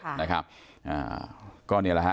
ใช้รถผิดประเภท